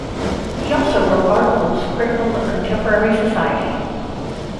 He also wrote articles critical of contemporary society.